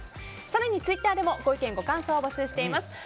更にツイッターでもご意見、ご感想を募集しています。